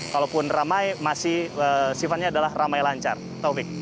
kalaupun ramai masih sifatnya adalah ramai lancar taufik